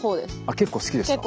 結構好きです。